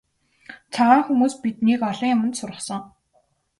Цагаан хүмүүс биднийг олон юманд сургасан.